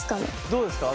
どうですか？